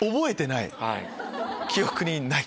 記憶にない？